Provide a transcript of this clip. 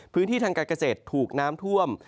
พื้นที่ทางการเกษตรถูกน้ำท่วม